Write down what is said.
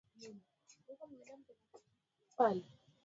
Kipindi hicho muziki ulifanywa na makundi zaidi kuliko mtu mmoja mmoja